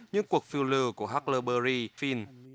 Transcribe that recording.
những cuộc phiêu lưu của huckleberry finn